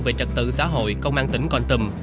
về trật tự xã hội công an tỉnh con tầm